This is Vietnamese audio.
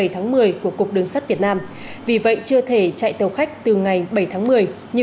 tháng một mươi của cục đường sắt việt nam vì vậy chưa thể chạy tàu khách từ ngày bảy tháng một mươi như